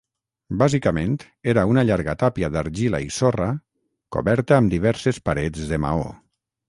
Bàsicament, era una llarga tàpia d'argila i sorra, coberta amb diverses parets de maó.